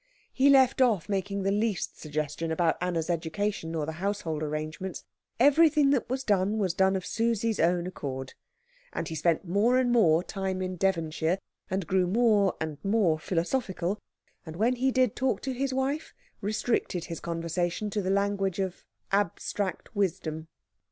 He left off making the least suggestion about Anna's education or the household arrangements; everything that was done was done of Susie's own accord; and he spent more and more time in Devonshire, and grew more and more philosophical, and when he did talk to his wife, restricted his conversation to the language of abstract wisdom.